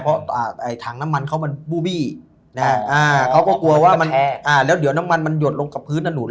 เพราะถังน้ำมันเขามันบูบี้เขาก็กลัวว่ามันแล้วเดี๋ยวน้ำมันมันหยดลงกับพื้นถนน